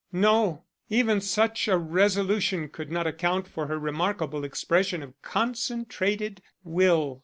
No; even such a resolution could not account for her remarkable expression of concentrated will.